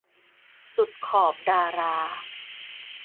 สุดขอบดารา